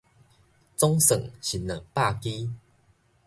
總算是兩百枝